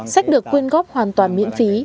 sách được quyên góp hoàn toàn miễn phí